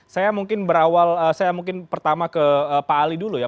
saya mungkin berawal saya mungkin pertama ke pak ali dulu ya